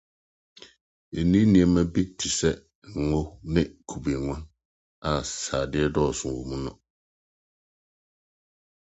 Nni nneɛma bi te sɛ ngo ne kubenwa, a srade dɔɔso wom no.